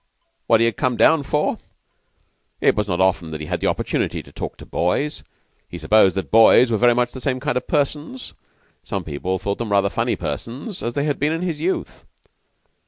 what he had come down for? It was not often that he had an opportunity to talk to boys. He supposed that boys were very much the same kind of persons some people thought them rather funny persons as they had been in his youth.